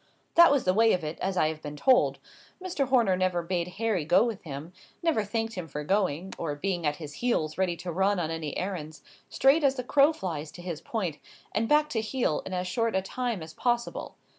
That was the way of it, as I have been told. Mr. Horner never bade Harry go with him; never thanked him for going, or being at his heels ready to run on any errands, straight as the crow flies to his point, and back to heel in as short a time as possible.